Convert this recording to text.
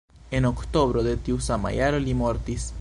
En oktobro de tiu sama jaro li mortis.